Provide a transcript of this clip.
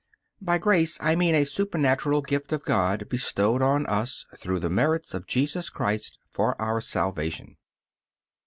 By grace I mean a supernatural gift of God bestowed on us, through the merits of Jesus Christ, for our salvation.